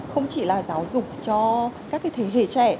không chỉ là giáo dục cho các thế hệ trẻ